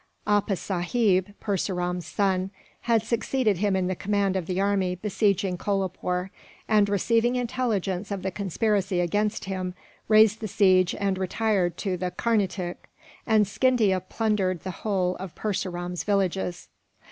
Appa Sahib, Purseram's son, had succeeded him in the command of the army besieging Kolapoore and, receiving intelligence of the conspiracy against him, raised the siege and retired to the Carnatic, and Scindia plundered the whole of Purseram's villages.